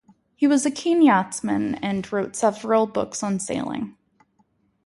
He was a keen yachtsman, and wrote several books on sailing.